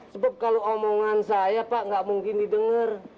sebab kalau omongan saya pak nggak mungkin didengar